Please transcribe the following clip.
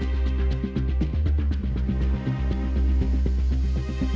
เวลาที่สุดตอนที่สุดตอนที่สุดตอนที่สุดตอนที่สุดตอนที่สุดตอนที่สุด